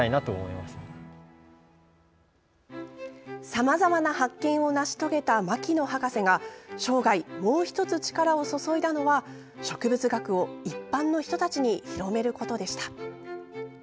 さまざまな発見を成し遂げた牧野博士が生涯、もう１つ力を注いだのは植物学を一般の人たちに広めることでした。